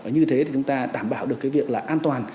như thế thì chúng ta đảm bảo được cái việc là an toàn